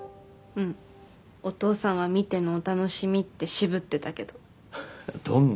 うんお父さんは見てのお楽しみって渋ってたけどどんな？